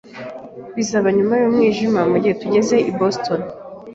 Bizaba nyuma yumwijima mugihe tugeze i Boston.